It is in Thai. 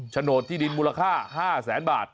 โฉนดที่ดินมูลค่า๕แสนบาท